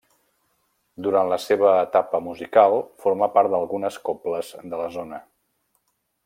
Durant la seva etapa musical formà part d'algunes cobles de la zona.